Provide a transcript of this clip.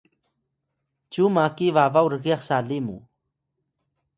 Yukan: cyu maki babaw rgyax sali mu